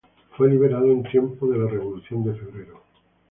Fue liberado en tiempos de la revolución de febrero.